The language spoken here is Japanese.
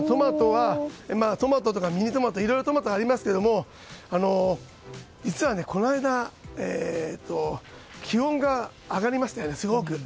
トマトとかミニトマトいろいろトマトありますけど実はこの間気温が上がりましたよね、すごく。